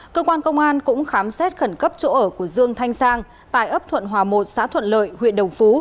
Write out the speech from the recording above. cơ quan công an cũng khám xét khẩn cấp chỗ ở của dương thanh sang tại ấp thuận hòa một xã thuận lợi huyện đồng phú